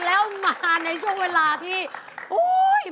แล้วมาในช่วงเวลาที่